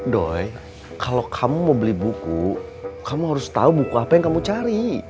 doy kalau kamu mau beli buku kamu harus tahu buku apa yang kamu cari